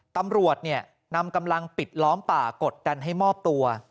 ตำรวจนำกำลังปิดล้อมป่ากดดันให้มอบตัว